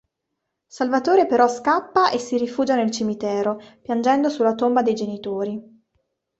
Salvatore però scappa e si rifugia nel cimitero, piangendo sulla tomba dei genitori.